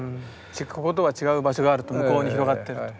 じゃこことは違う場所があると向こうに広がってると。